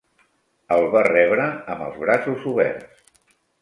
El va rebre amb els braços oberts.